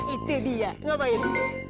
itu dia ngapain